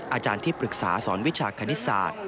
อาจารย์ที่ปรึกษาสอนวิชาคณิตศาสตร์